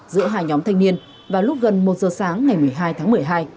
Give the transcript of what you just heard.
giữa hai nhóm thanh niên vào lúc gần một giờ sáng ngày một mươi hai tháng một mươi hai